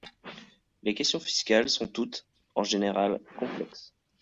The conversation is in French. Les questions fiscales sont toutes, en général, complexes.